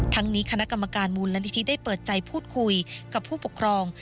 ทั้งนี้คณะกรรมการมูลนิธิได้เปิดใจพูดคุยกับผู้ปกครอง